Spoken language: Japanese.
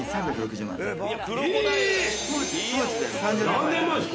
何年前っすか？